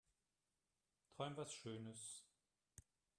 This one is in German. Träum was schönes.